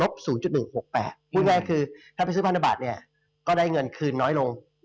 พูดง่ายคือถ้าไปซื้อพันธบาทเนี่ยก็ได้เงินคืนน้อยลง